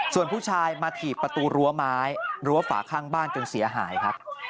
ส่วนผู้ชายมาถีบประตูรั้วไม้รั้วฝาข้างบ้านจนเสียหายครับ